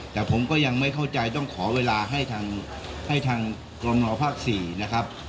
แต่ผมก็ยังไม่เข้าใจต้องขอเวลาให้ทางกรณภาค๔นะครับ